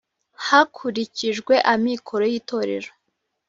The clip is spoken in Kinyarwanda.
hakurikijwe amikoro y itorero